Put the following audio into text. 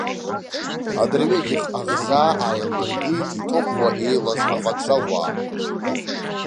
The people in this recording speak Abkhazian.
Адырҩегьых аӷзаа ааилдыргеит итоԥуа еилаз авокзалуаа.